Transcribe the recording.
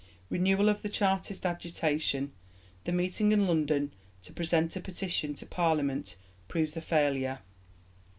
Renewal of the Chartist agitation. The meeting in London to present a Petition to Parliament proves a failure.